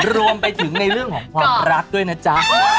รวมไปถึงในเรื่องของความรักด้วยนะจ๊ะ